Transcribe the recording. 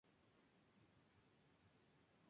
Un día encuentra a Sergio, antiguo compañero de colegio.